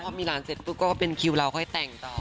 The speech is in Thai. พอมีหลานเสร็จปุ๊บก็เป็นคิวเราค่อยแต่งต่อ